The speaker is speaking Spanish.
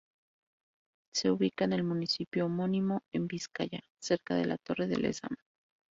Se ubica en el municipio homónimo, en Vizcaya, cerca de la torre de Lezama.